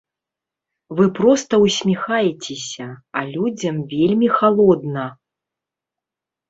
Вы проста ўсміхаецеся, а людзям вельмі халодна.